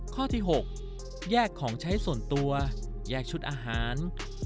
ข้อที่๖แยกของใช้ส่วนตัวแยกชุดอาหาร